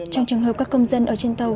trong trường hợp các công dân ở trên tàu